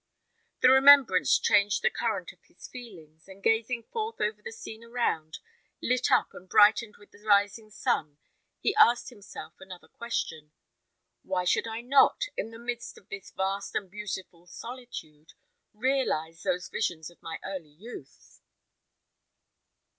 The remembrance changed the current of his feelings, and gazing forth over the scene around, lit up and brightened with the rising sun, he asked himself another question: "Why should I not, in the midst of this vast and beautiful solitude, realise those visions of my early youth?"